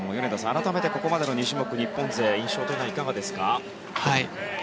改めてここまでの２種目日本勢、印象というのはいかがですか？